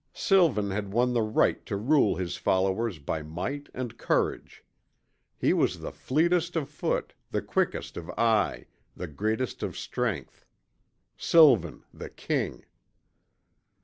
Sylvan had won the right to rule his followers by might and courage. He was the fleetest of foot, the quickest of eye, the greatest of strength. Sylvan, the King!